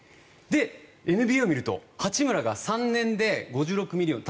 ＮＢＡを見ると八村が３年で５６ミリオン